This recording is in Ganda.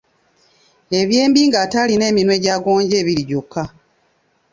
Ebyembi ng’ate alina eminwe gya gonja ebiri gyokka.